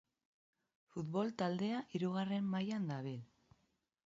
Futbol taldea Hirugarren Mailan dabil.